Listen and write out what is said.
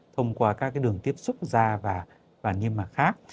thông qua các cái đường tiếp xúc da và nhiên mạc khác